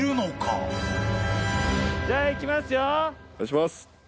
お願いします。